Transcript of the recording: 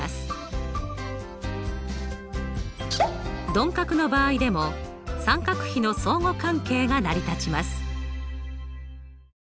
鈍角の場合でも三角比の相互関係が成り立ちます。